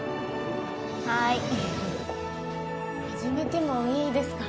はい始めてもいいですか？